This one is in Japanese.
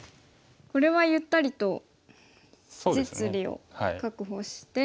これはゆったりと実利を確保して。